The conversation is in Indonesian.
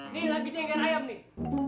nih lagi jengker ayam nih